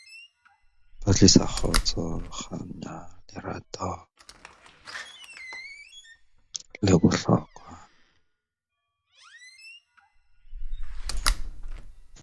A portico from the house was re-erected at Roath Court, Cardiff.